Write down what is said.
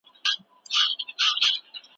هغه پلاستیک چې سړي نیولی و له درملو ډک و.